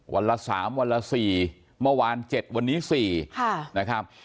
วันละ๓วันละ๔เมื่อวาน๗วันนี้๔นะครับ